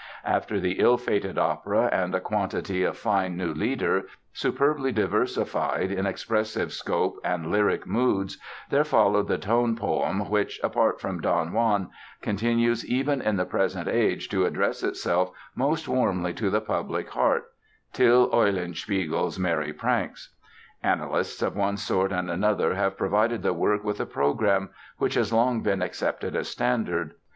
After the ill fated opera and a quantity of fine new Lieder, superbly diversified in expressive scope and lyric moods, there followed the tone poem which, apart from Don Juan continues even in the present age to address itself most warmly to the public heart—Till Eulenspiegel's Merry Pranks. Analysts of one sort and another have provided the work with a program, which has long been accepted as standard.